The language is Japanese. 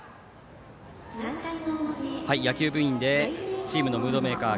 野球部員でチームのムードメーカー